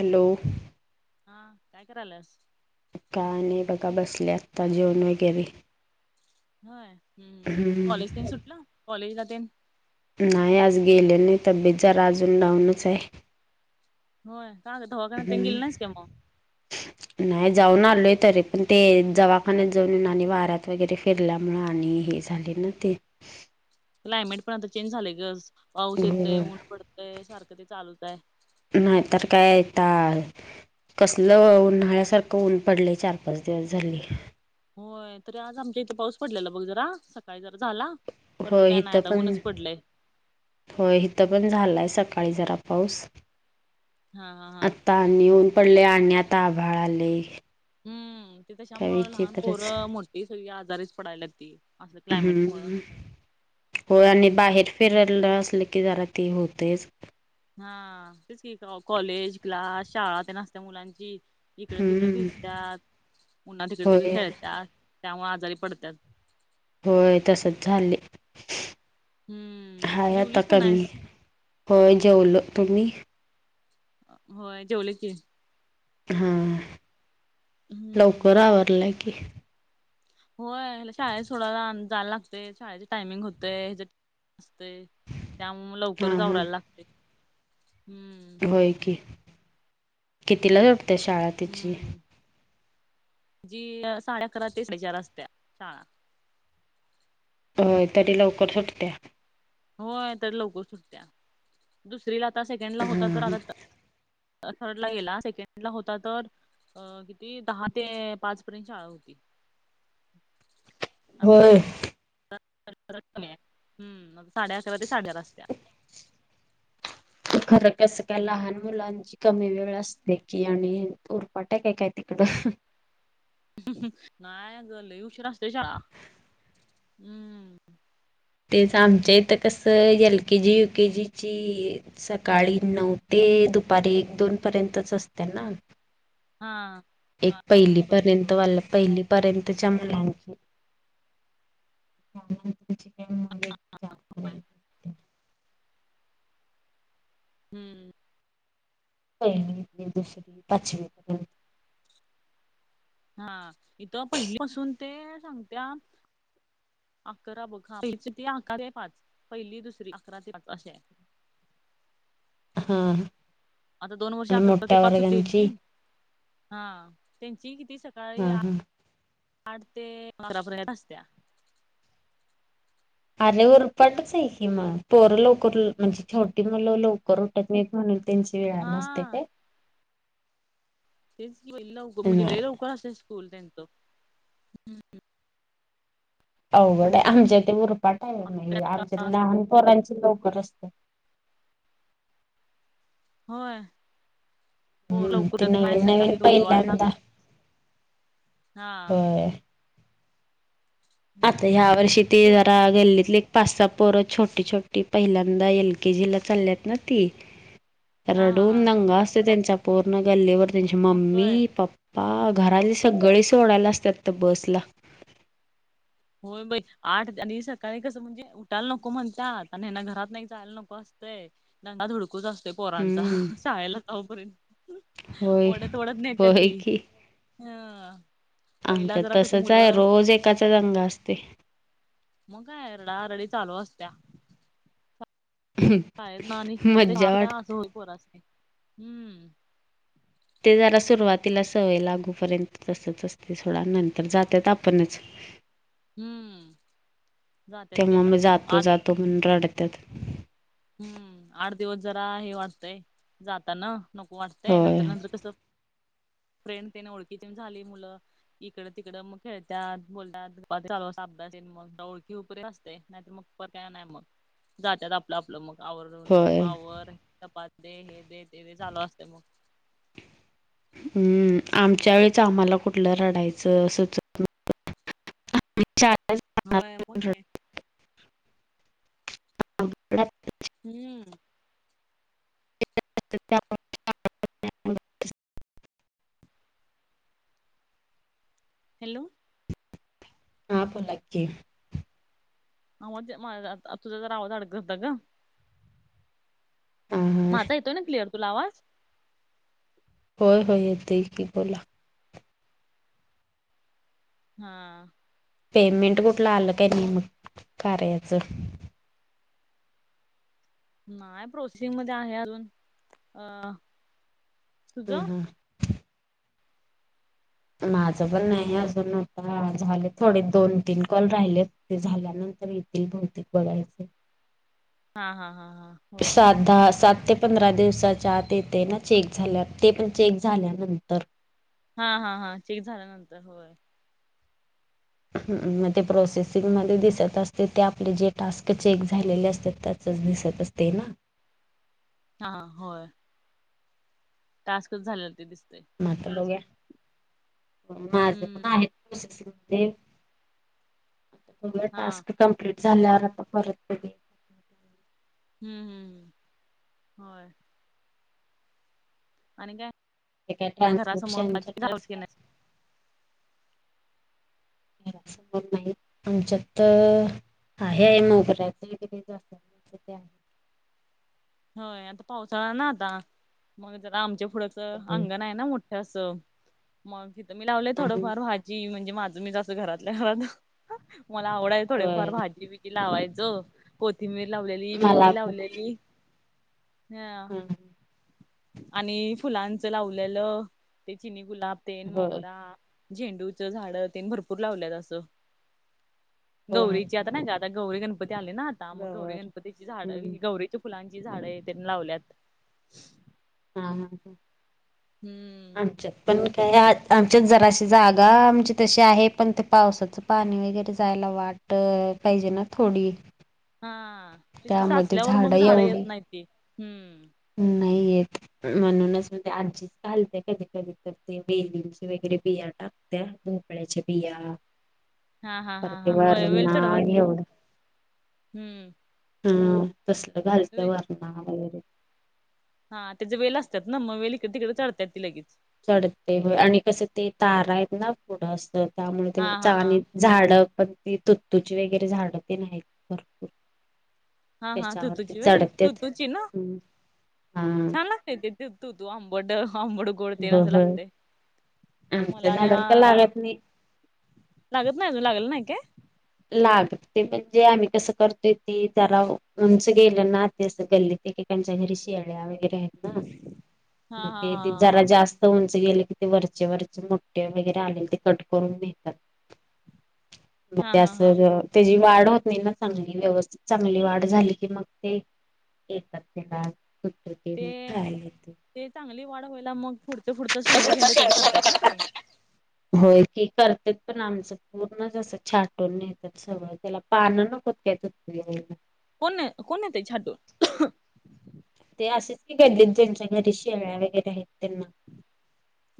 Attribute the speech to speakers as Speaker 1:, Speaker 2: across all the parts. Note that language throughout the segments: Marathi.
Speaker 1: हॅलो.
Speaker 2: हा काय करालास.
Speaker 1: काय नाही बघा बसले आत्ता जेवण वगैरे.
Speaker 2: होय ह् कॉलेज
Speaker 1: हम्म
Speaker 2: तेन सुटलं कॉलेजला तेन.
Speaker 1: नाय आज गेले नाही तर तब्येत जरा आजून डाऊनच आहे.
Speaker 2: होय काग दवाखान्यात तेन गेली
Speaker 1: हम्म
Speaker 2: नाहीस का मग.
Speaker 1: [inaudible] नाही जाऊन आलोय तरी पण ते दवाखान्यात जाऊन ये आणि वाऱ्यात वगैरे फिरल्यामूळ आणि हेच झाले ना ते.
Speaker 2: क्लायमेट पण आता चेंज झालाय ग पाऊस
Speaker 1: हो
Speaker 2: येतय ऊन पडतंय सारखं ते चालूच आहे.
Speaker 1: नाहीतर काय ता. कसलं उन्हाळ्यासारखं ऊन पडलंय चार पाच दिवस झाली हे.
Speaker 2: होय तरी आज आमच्या इथे पाऊस पडलेला बघ जरा सकाळी जरा झाला. परत काय नाही आता ऊनच पडलंय.
Speaker 1: हो इथ पण झालाय सकाळी जरा पाऊस
Speaker 2: हा हा हा
Speaker 1: आता. आणि ऊन पडलेय आणि आता आभाळ आलय.
Speaker 2: हम्म ते त्याच्यामुळ लहान पोर मोठी सगळी आजारीच पडायलाती.
Speaker 1: हम्म हम्म हो आणि
Speaker 2: हम्म
Speaker 1: बाहेर. पिरेला असल की जरा ते होतेच.
Speaker 2: हा तेच कि कॉलेज क्लास शाळा तेन असते मुलांची. इकडे तिकडे
Speaker 1: हम्म
Speaker 2: भिजतात उन्हात तिकडे तिकडे
Speaker 1: होय
Speaker 2: खेळतात त्यामुळे आजारी पडतात
Speaker 1: होय तसंच झाले
Speaker 2: हम्म
Speaker 1: हाय आता
Speaker 2: जेवलीस का
Speaker 1: कमी
Speaker 2: नाहीस?
Speaker 1: होय जेवले तुम्ही--‌
Speaker 2: होय जेवले की
Speaker 1: होय
Speaker 2: हम्म
Speaker 1: लवकर आवरलय की
Speaker 2: होय शाळेत सोडायला आण जायला लागतय शाळेच टायमिंग होतेय ह्याच्या असते त्यामुळे
Speaker 1: हा
Speaker 2: लवकर
Speaker 1: हा
Speaker 2: आवरायला लागतंय हम्म
Speaker 1: होय की कितीला भरते शाळा? तिची
Speaker 2: हम्म जी साडे अकरा ते साडेचार असत्या शाळा
Speaker 1: हो तरी लवकर सुटतेया
Speaker 2: हो तर लवकर सुटतेया दुसरीला आता सेकंड ला होता तर आता थर्ड ला गेला सेकंड ला होता तर अ किती दहा ते पाच पर्यंत शाळा होती आता
Speaker 1: होय.
Speaker 2: हम्म आत साडे अकरा ते साडे चार असतेया
Speaker 1: खरं कसं काय लहान मुलांची कमी वेळ असते की आणि उरपाट आहे काय तिकडं
Speaker 2: नाय ग लय उशिरा असते या शाळा हम्म
Speaker 1: तेच आमच्या इथ कसं एल केजी युकेे जीची सकाळी नऊ ते दुपारी एक दोन पर्यंतच असते ना
Speaker 2: हा
Speaker 1: हे
Speaker 2: हा एकदम पण असं
Speaker 1: पहिलीपर्यंत
Speaker 2: होय.
Speaker 1: वाला पहिलीपर्यंत त्यानंतरची काय मग एक
Speaker 2: होय.
Speaker 1: चारपर्यंत
Speaker 2: हम्म
Speaker 1: पहिली दुसरी पाचवीपर्यंत
Speaker 2: हा इथं पहिली पासून ते सांगत्या अकरा बघ हा अकरा तेच पाच पहिली दुसरी अकराचे पाच अ
Speaker 1: हा
Speaker 2: आता दोन वर्ष
Speaker 1: आणि
Speaker 2: अकरा ते
Speaker 1: मोठ्या
Speaker 2: पाच
Speaker 1: वर्गांची
Speaker 2: होतेची हा त्यांची किती स सकाळी
Speaker 1: हा हा
Speaker 2: आठ आठ ते बारापर्यंत असत्या
Speaker 1: आले उरपाटच आहे की मग पोर लवकर म्हणजे छोटी मुल लवकर उठत नाही म्हणून त्यांची वेळानी असतीय
Speaker 2: हा
Speaker 1: काय?
Speaker 2: तेच कि बाघ लवकर म्हणजे लय
Speaker 1: नाही
Speaker 2: लवकर असते स्कूल त्यांचं
Speaker 1: अवघड आमच्या ते उरपाट आहे
Speaker 2: आता
Speaker 1: नाहीे आमच्यात
Speaker 2: त्या-
Speaker 1: लहान पोरांच लवकर असते
Speaker 2: होय पोर
Speaker 1: हम्म
Speaker 2: लवकर
Speaker 1: ती
Speaker 2: उठत नाही
Speaker 1: नवीन नवीन
Speaker 2: सकाळी उठवायला ला
Speaker 1: पहिल्यांदा
Speaker 2: हा
Speaker 1: होय. आता
Speaker 2: हम्म.
Speaker 1: ह्या वर्षी ते
Speaker 2: हो
Speaker 1: जरा गल्लीतली एक पाचसात पोर छोटी छोटी पहिल्यांदा एल के जी ला चालल्यात ना ती
Speaker 2: हा हा हा
Speaker 1: रडून दंगा असते त्यांच्या पूर्ण गल्लीवर त्यांची
Speaker 2: मग
Speaker 1: मम्मी
Speaker 2: काय
Speaker 1: पप्पा पा घरातले सगळे सोडायला असतात तर बसला
Speaker 2: होय बाई आठ आणि सकाळी कसं म्हणजे उठायला नको म्हणतात आणि ह्यांना घरात नाही जायला नको असतंय दंगा थोडा धकूच असते पोरांचा
Speaker 1: हम्म
Speaker 2: शाळेला जाऊपर्यंत
Speaker 1: होय.
Speaker 2: ओढत ओढत नेटल
Speaker 1: होय
Speaker 2: ती हा
Speaker 1: आमच्या तसंच आहे रोज एकाचा दगा असते.
Speaker 2: मग काय ररडारडी चालू असत्या काय ना कध
Speaker 1: मज्जा वाटते.
Speaker 2: असं हो प असते हम्म [unintelligible]
Speaker 1: ते जरा सुरुवातीला सवय लागूपर्यंत तसंच असते सोडा नंतर जातात आपणच ह
Speaker 2: हम्म जात ते आता आठ
Speaker 1: पण रडतात
Speaker 2: हम्म आठ दिवस जरा हे वाटतंय जाताना नको वाटतंय नंतर नंतर कसं
Speaker 1: ह
Speaker 2: फ्रेंड तेन ओळखीचे झाली मुलं इकडं तिकडं मग खेळतात, बोलतात [unintelligible] चार वाजता अभ्यास तेन मग ओळखी हु पर्यंत असते नाहीतर मग पर काय नाय मग जात्यात आप आपलं मग आवरुन,
Speaker 1: होय
Speaker 2: मम्मा आवर, कपा दे, हे दे ते दे चालू असते मग
Speaker 1: हम्म आमच्या वेळेच आम्हाला कुठलं रडायचं सूच चारज
Speaker 2: मोय कोण काय हम्म.
Speaker 1: [unintelligible]
Speaker 2: हॅलो.
Speaker 1: हा बोला की
Speaker 2: [unintelligible] तुझा जरा आवाज अडकत ता ग
Speaker 1: उहू.
Speaker 2: माझा येतोय ना क्लिअर तुला आवाज?
Speaker 1: होय होय येतोय की बोला
Speaker 2: हा.
Speaker 1: पेमेंट कुठलं आलं काय नाही मग कार्याच?
Speaker 2: नाय प्रोसेसिंग मध्ये आहे अजून अ
Speaker 1: हम्
Speaker 2: तुझं
Speaker 1: ‌हम्. माझं पण नाही अजून आता, झाल थोडे दोन तीन कॉल राहिलेत. ते झाल्यानंतर येतील बहुतेक बघायच.
Speaker 2: हा हा हा हा. होय
Speaker 1: सात दहा सात ते पंधरा दिवसाच्या आत येतेय ना चेक झाल्या, ते पण चेक झाल्यानंतर
Speaker 2: हा हा हा चेक झाल्यानंतर होय.
Speaker 1: हु म ते प्रोसेसिंगमध्ये दिसत असते ते आपले जे टास्क चेक झालेले असत्यात त्या सज दिसत असते ना
Speaker 2: हा होय. टास्कच झालेल ते दिसतय
Speaker 1: म्ह आता बघूया, क माझ
Speaker 2: हम्म
Speaker 1: पण आहेत. प्रोसेसिंगमधे आता बघूया
Speaker 2: हा
Speaker 1: टास्क कमप्लीट झाल्यावर आता परत [unintelligible]
Speaker 2: हम्म हू होय. आणि काय?
Speaker 1: काय
Speaker 2: घरासमोर
Speaker 1: ट्रान्स्क्रिप्शनचे
Speaker 2: [unintelligible]
Speaker 1: टास्क घरासमोर नाही आमच्यात तर आहे मोगऱ्याच [unintelligible] [unintelligible] ते आहे.
Speaker 2: होय आता पावसाळा ना आता, मग जरा आमच्या पुढंच अंगण आहे ना मो ट अस मग हिथं मी लावले थोडफार भा जी म्हणजे माझं मीच अस घरातल्या घरात, मला आवडाय थोडेफार
Speaker 1: होय
Speaker 2: भाजी बी की लावायचं कोथिंबीर लावलेली,
Speaker 1: मला
Speaker 2: मेथी लावलेली हा आणि फुलांचं लावलेलं ते चिनी गुलाब तेन
Speaker 1: होय
Speaker 2: मोगरा, झेंडूच झाड तेन भरपूर लावल्यात असं
Speaker 1: होय.
Speaker 2: गौरीची आता नाही का आता गौरी गणपती आले ना आता, मग गौरी
Speaker 1: गवर
Speaker 2: गणपतीची झाड
Speaker 1: हम्म.
Speaker 2: ही गौरीच्या फुलान जी झाडय तेन लावल्यात.
Speaker 1: हा हा हा
Speaker 2: हम्म.
Speaker 1: आमच्यात पण काय आत आमच्यात जराशी जागा आमची तशी आहे, पण ते पावसाचं पाणी वगैरे जायला वाट त पाहिजे ना थोडी
Speaker 2: हा तेच की
Speaker 1: त्यामध्ये
Speaker 2: साचल्यावर मग झाडं
Speaker 1: एवढी
Speaker 2: येत नाहीत ते हम्म
Speaker 1: नाही येत. म्हणूनच ते आजीच, घालते कधी कधी तर ते, बेलींचे वगैरे बियाना. त्या भोपळ्याच्या बिया
Speaker 2: हा हा
Speaker 1: परत
Speaker 2: हा
Speaker 1: ते
Speaker 2: हा, होय वेल,
Speaker 1: वरणा
Speaker 2: चढवा
Speaker 1: एवढं
Speaker 2: हम्म
Speaker 1: हा तसलं घालत
Speaker 2: वे
Speaker 1: वरणा वगैरे
Speaker 2: हा त्याचे वेल असतात ना, मग वेल इकडे तिकडे चढतत ती लगेच.
Speaker 1: चढते हो आणि कसं ते तारा आहेत ना पुढं अस त्यामुळे ते
Speaker 2: हा हा
Speaker 1: चा
Speaker 2: हा.
Speaker 1: झाड पण त तुत्तूची वगैरे झाडं ते आहीत भरपूर.
Speaker 2: हा हा
Speaker 1: त्याच्यावरती
Speaker 2: तुतुची वय
Speaker 1: चढत्यात
Speaker 2: तुतुचीना
Speaker 1: हम्म. हा
Speaker 2: छान लाग ते तू तू आंबट आंबट गोड गोडतेन
Speaker 1: हो
Speaker 2: असं
Speaker 1: होय
Speaker 2: लागते मला
Speaker 1: आमच्या
Speaker 2: आणि
Speaker 1: झाडाला काय
Speaker 2: ह
Speaker 1: लागत नाही
Speaker 2: लागत नाही अजून लागला नाही काय?.
Speaker 1: लागते म्हणजे आम्ही, कसं करतोय ते जरा उंच गेलं ना ते अस गल्लीत एकेकांच्या घरी शेळ्या वगैरे हायत ना,
Speaker 2: हा
Speaker 1: मग
Speaker 2: हा
Speaker 1: ते ते
Speaker 2: हा
Speaker 1: जरा जास् उंच गेले की ते वरचे वरचे मोठे वगैरे, आले ते कट करून घेतात.
Speaker 2: हा
Speaker 1: त्यास
Speaker 2: हा हा हा
Speaker 1: त्याची वाढ होत नाही ना, चांगली व्यवस्थित चांगली वाढ झाली की मग ते येतात [unintelligible]
Speaker 2: ते
Speaker 1: हो.
Speaker 2: ते चांगली वाढ व्हायला मग फुडचं- फुडचं शेंड - शेंड कट करतात ना ते.
Speaker 1: होय की करते पण आमचं पूर्ण अस छाट कोण नेत्यात त्त्याला पानं नकोत काय ततुतू
Speaker 2: कन कोण नेतय छाटून?
Speaker 1: ते असेच [unintelligible] जयांच्या घरी शेळ्या वगैरे आहेत त्यांना.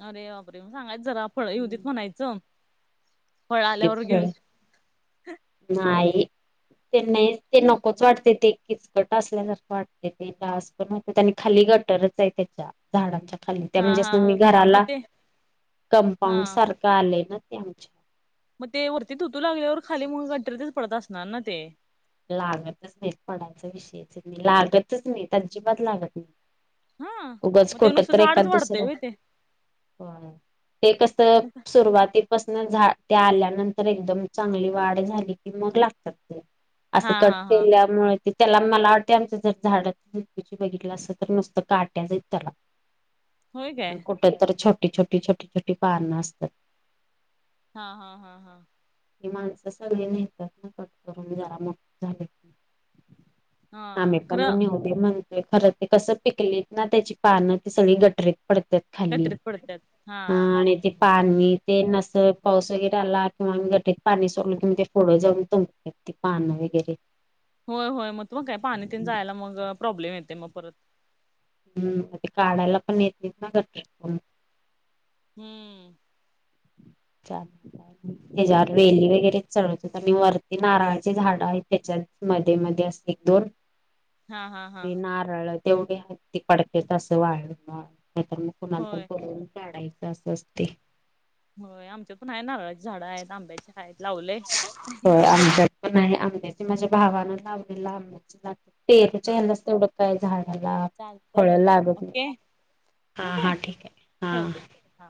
Speaker 2: अरे बापरे! म सांगायच जरा, फळ युदीत म्हणायचं. फळ आल्यावर
Speaker 1: एकतर
Speaker 2: घेऊन
Speaker 1: नाही येत त्यांन ते
Speaker 2: हम्म
Speaker 1: नकोच वाटते तेकीच कट असल्या कत वाढते ते, स पण वात आणि खाली गटरच आहे त्याच्या झाडाच्या खाली त्या
Speaker 2: हा
Speaker 1: म्हणजेच,
Speaker 2: हा
Speaker 1: असं
Speaker 2: हा
Speaker 1: मी
Speaker 2: मग
Speaker 1: घराला
Speaker 2: ते
Speaker 1: कंपाऊंड
Speaker 2: हा
Speaker 1: सार काले ना तत्यांचा
Speaker 2: मग ते वरती तुतू लागल्यावर खाली मग गंटरीतच पडत असणार ना ते.
Speaker 1: लागतच नाही, पणाचा विषयच नाही, लागतच नाही, त्यांजिबात लागत नाही.
Speaker 2: हा
Speaker 1: उगंच
Speaker 2: मग ते
Speaker 1: कुटतर
Speaker 2: नुसतं
Speaker 1: तर
Speaker 2: झाडच
Speaker 1: एखाद
Speaker 2: वाढतंय
Speaker 1: दुसरं
Speaker 2: होय ते
Speaker 1: होय, ते कस सुरुवातीत पसन झाड त्या आल्यानंतर एकदम चांगली वाढ झाली की मग लागतात फुलं.
Speaker 2: हा
Speaker 1: असं कट
Speaker 2: हा हा
Speaker 1: केल्यामुळे ते त्याला मला वाटते, आमच जर झाड त बघितलं अस तर नुसतं काट्याचंहयित त्याला
Speaker 2: होय काय
Speaker 1: कुठ तर छोटी- छोटी, छोटी-छोटी पान असतात.
Speaker 2: हा, हं हा हा हा
Speaker 1: की माणसं सगळे ननेत्यांतात ना कट करून जरा मोठी झालकी.
Speaker 2: हा
Speaker 1: आम्ही पण म
Speaker 2: खरं
Speaker 1: निऊ. ते म्हणतय खरं ते कसं पिकलीत ना, त्याची पानं ती सगळी गटरीत पडत्यात. खाली
Speaker 2: गटरीत पडत्यात हा
Speaker 1: अ आणि ते पाणी ते अस पाऊस वगैरे आलाकी मग ग ते पाणी सोडलं कि, म ते फोडं जाऊन त ते पाणी वगैरे.
Speaker 2: होय होय, मग त मग काय पाणी ते जायला मग प्रॉब्लेम येते मग परत.
Speaker 1: हम्म, ते काढायला पण येत नाहीत ना गटारीतून.
Speaker 2: हम्म!
Speaker 1: चालतंय, त्याच्यावर वेली वगैरे चढवतेत आणी वरती नारळाचे झाड आहेत त्याच्यात. मध्ये, मध्ये असते एक दोन.
Speaker 2: हा हा हा
Speaker 1: ते नारळ तेवढी हायत ती पडत्यात असं वाळकी मग नाहीतर मग. कुणाला
Speaker 2: होय
Speaker 1: तर बूलवून काढायचं असं असतय.
Speaker 2: होय, आमच्यातण आहे नारळाची झाडं आहेत, आंब्याच्या आहेत. लावलेय
Speaker 1: होय, आंमच्यात पण हाय, आंब्याची माझ्या भावानं लावलेलं आंब्याची झाड- पेरुच्या
Speaker 2: हा
Speaker 1: हंलाच तेवढं काय, झाडाला फळ
Speaker 2: चालतय
Speaker 1: लागत नाही.
Speaker 2: ओके
Speaker 1: हा,
Speaker 2: ठेवू काय
Speaker 1: हा, ठीक आहे, हां.
Speaker 2: ठेवते हा